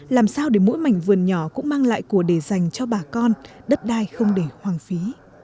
làm sao để mỗi mảnh vườn nhỏ cũng mang lại của đề dành cho bà con đất đai không để hoang phí